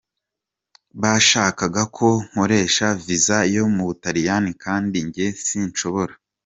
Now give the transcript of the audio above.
Bashakaga ko nkoresha visa yo mu Butaliya kandi njye sinshobora.